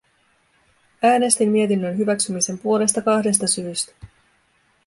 Äänestin mietinnön hyväksymisen puolesta kahdesta syystä.